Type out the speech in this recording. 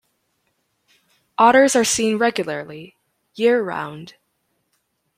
Otters are seen regularly, year round.